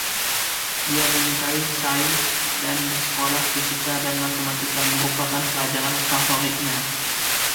Dia menyukain sains, dan di sekolah fisika dan matematika merupakan pelajaran favoritnya.